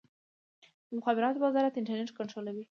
د مخابراتو وزارت انټرنیټ کنټرولوي؟